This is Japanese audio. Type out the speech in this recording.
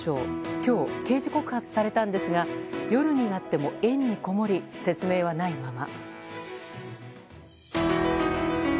今日、刑事告発されたんですが夜になっても園にこもり、説明はないまま。